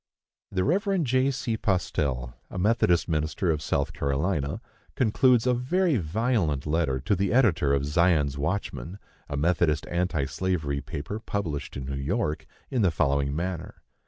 The Rev. J. C. Postell, a Methodist minister of South Carolina, concludes a very violent letter to the editor of Zion's Watchman, a Methodist anti slavery paper published in New York, in the following manner.